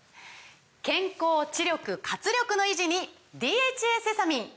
健康・知力・活力の維持に「ＤＨＡセサミン」！